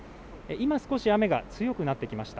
今、少し雨が強くなってきました。